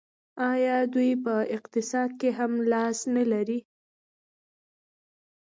آیا دوی په اقتصاد کې هم لاس نلري؟